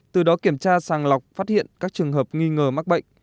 từ đó kiểm tra sàng lọc phát hiện các trường hợp nghi ngờ mắc bệnh